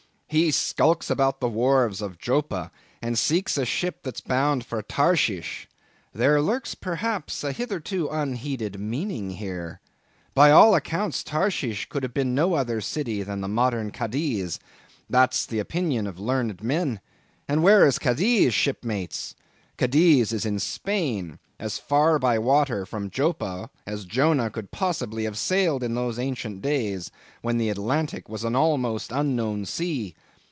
He skulks about the wharves of Joppa, and seeks a ship that's bound for Tarshish. There lurks, perhaps, a hitherto unheeded meaning here. By all accounts Tarshish could have been no other city than the modern Cadiz. That's the opinion of learned men. And where is Cadiz, shipmates? Cadiz is in Spain; as far by water, from Joppa, as Jonah could possibly have sailed in those ancient days, when the Atlantic was an almost unknown sea.